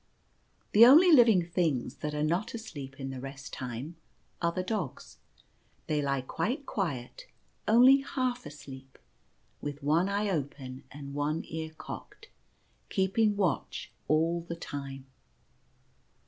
The only living things that are not asleep in the Rest Time are the dogs. They lie quite quiet, only half asleep, with one eye open and one ear cocked ; keeping watch all the time.